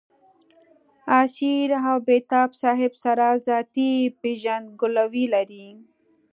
اسیر او بېتاب صاحب سره ذاتي پېژندګلوي لرم.